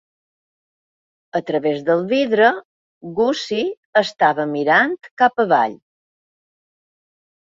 A través del vidre, Gussie estava mirant cap avall.